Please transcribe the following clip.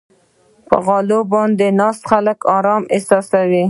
په غالۍ باندې ناست خلک آرام احساسوي.